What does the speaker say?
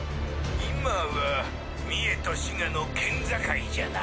今は三重と滋賀の県境じゃな。